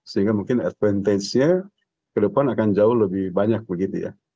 sehingga mungkin advantage nya ke depan akan jauh lebih banyak begitu ya